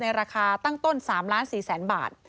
ราคาตั้งต้น๓๔๐๐๐บาท